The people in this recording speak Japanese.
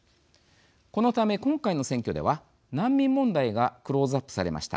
このため今回の選挙では難民問題がクローズアップされました。